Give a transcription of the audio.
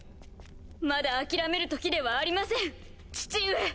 まだ諦める時ではありません父上！